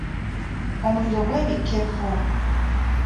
Omuliro gwebikka evvu.